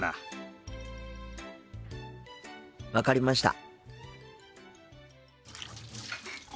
分かりました。